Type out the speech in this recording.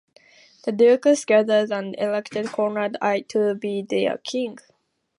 The dukes gathered and elected Conrad I to be their king.